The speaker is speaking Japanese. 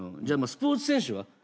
じゃあスポーツ選手は？